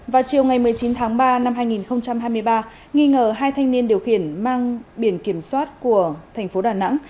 vào chiều ngày một mươi chín tháng ba năm hai nghìn hai mươi ba nghi ngờ hai thanh niên điều khiển mang biển kiểm soát của thành phố đà nẵng